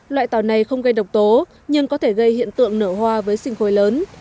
loại tạo này không gây độc tố nhưng có thể gây hiện tượng nở hoa với sinh khôi lớn